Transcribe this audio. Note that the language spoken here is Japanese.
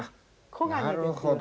黄金ですよね。